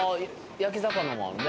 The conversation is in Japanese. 焼き魚もあるね